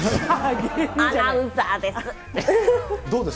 アナウンサーです。